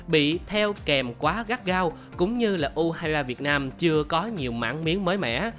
bị theo kèm quá gắt gao cũng như là u hai mươi ba việt nam chưa có nhiều mã biến mới mẻ